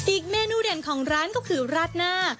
เมนูเด่นของร้านก็คือราดหน้า